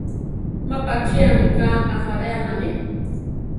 Má pachía mika ajáreanami.